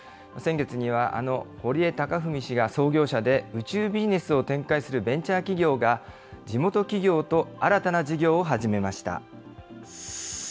先月にはあの堀江貴文氏が創業者で、宇宙ビジネスを展開するベンチャー企業が、地元企業と新たな事業を始めました。